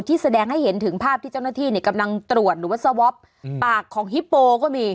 แสดงให้เห็นถึงภาพที่เจ้าหน้าที่กำลังตรวจหรือว่าสวอปปากของฮิปโปก็มี